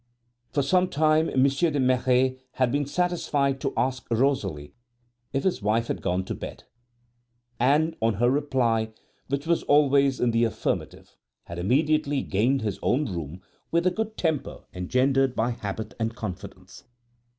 For some time past Monsieur de Merret had been satisfied to ask Rosalie if his wife had gone to bed; and on her reply, which was always in the affirmative, had immediately gained his own room with the good temper engendered by habit and confidence.